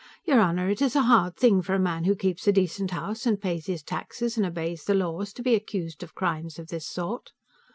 Your honor, it is a hard thing for a man who keeps a decent house, and pays his taxes, and obeys the laws, to be accused of crimes of this sort.